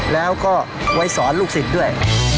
แล้วก็ไว้สอนลูกศิษย์ด้วย